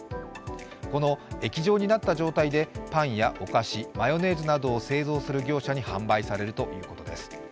この液状になった状態でパンやお菓子、マヨネーズなどを製造する業者に卸されるということです。